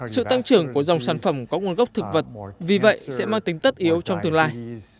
sự tăng trưởng của dòng sản phẩm có nguồn gốc thực vật vì vậy sẽ mang tính tất yếu trong tương lai